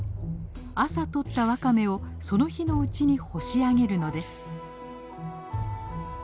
朝採ったワカメをその日のうちに干し上げるのです。